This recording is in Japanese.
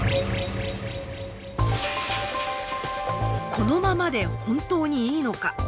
このままで本当にいいのか？